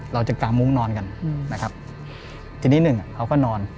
เราจะกามุ้งนอนกันนะครับทีนี้หนึ่งอ่ะเขาก็นอน